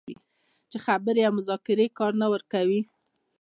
چې خبرې او مذاکرې کار نه ورکوي